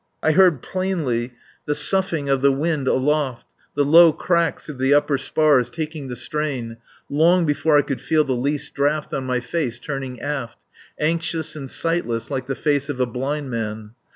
I heard plainly the soughing of the wind aloft, the low cracks of the upper spars taking the strain, long before I could feel the least draught on my face turned aft, anxious and sightless like the face of a blind man.